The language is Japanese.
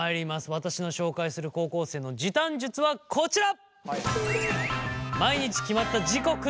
私の紹介する高校生の時短術はこちら。